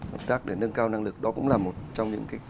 hợp tác để nâng cao năng lực đó cũng là một trong những cái